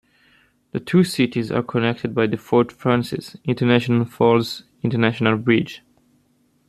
The two cities are connected by the Fort Frances - International Falls International Bridge.